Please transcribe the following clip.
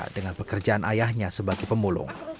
dengan pekerjaan ayahnya sebagai pemulung